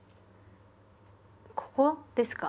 ここですか？